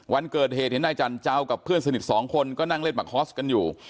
วันเกิดเหตุเห็นนายจันเจ้ากับเพื่อนสนิทสองคนก็นั่งเล่นมาคอสกันอยู่